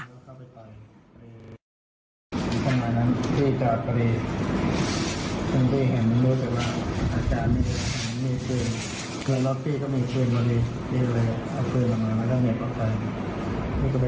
พาทอร์ลุฟท์ขึ้นมาแล้วเล็งในสถานีแต่พวกมันมีกลืนเพื่อทำกลุ่มเติมแล้ว